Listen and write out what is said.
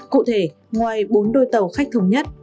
cụ thể ngoài bốn đôi tàu khách thống nhất